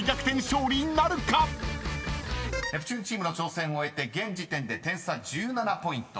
［ネプチューンチームの挑戦を終えて現時点で点差１７ポイント］